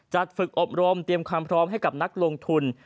ฝึกอบรมเตรียมความพร้อมให้กับนักลงทุน